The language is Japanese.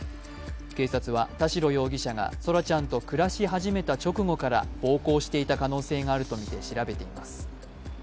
警察は田代容疑者が空来ちゃんと暮らし始めた直後から暴行していた可能性があるとみて調べています。